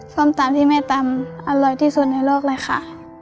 ส้มตำที่แม่ตำอร่อยที่สุดในโลกเลยค่ะ